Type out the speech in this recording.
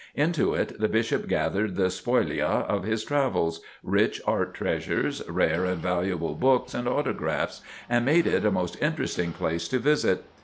Into it the Bishop gathered the spolia of his travels, rich art treasures, rare and valuable books and autographs, and made it a most interesting place to visit.